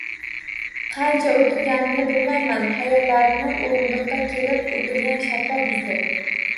Qancha o`tirganini bilmaydi, xayollarini o`rindiqqa kelib o`tirgan sharpa buzdi